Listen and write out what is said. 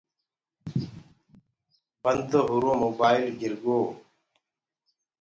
بند هوُرو موبآئيل گِرگو۔